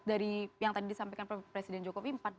dari yang tadi disampaikan presiden jokowi